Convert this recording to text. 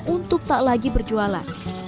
untuk tak lagi berjualan